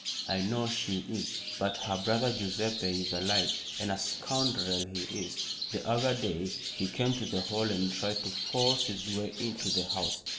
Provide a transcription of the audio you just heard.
"I know she is. But her brother Guiseppe is alive, and a scoundrel he is. The other day he came to the Hall and tried to force his way into the house.